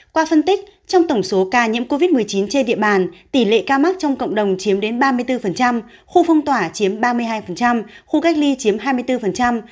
qua phân tích trong tổng số ca nhiễm covid một mươi chín trên địa bàn tỷ lệ ca mắc trong cộng đồng chiếm đến ba mươi bốn khu phong tỏa chiếm ba mươi hai khu cách ly chiếm hai mươi bốn